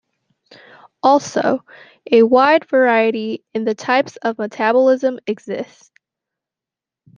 Also, a wide variety in the types of metabolism exists.